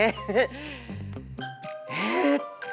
えっと。